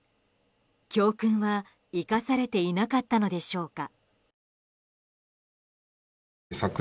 教訓は生かされていなかったのでしょうか。